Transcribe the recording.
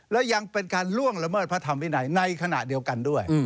และยังเป็นการล่วงละเมิดพระธรรมวินัยในขณะเดียวกันด้วย